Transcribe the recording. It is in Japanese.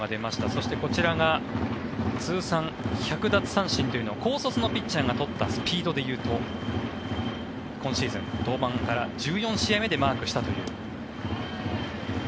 そして、こちらが通算１００奪三振というのを高卒のピッチャーが取ったスピードでいうと今シーズン、登板から１４試合目でマークしたという。